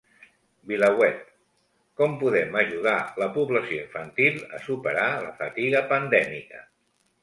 VilaWeb: Com podem ajudar la població infantil a superar la fatiga pandèmica?